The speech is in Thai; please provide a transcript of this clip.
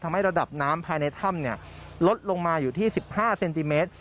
ทำให้ระดับน้ำภายในถ้ำลดลงมาอยู่ที่๑๕เซนติเมตร